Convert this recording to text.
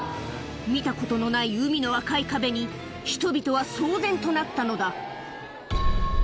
見たことのない海の赤い壁に、人々は騒然となったのだ。